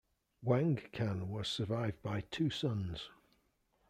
Wang Can was survived by two sons.